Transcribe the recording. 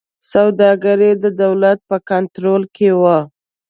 سوداګري د دولت په کنټرول کې وه.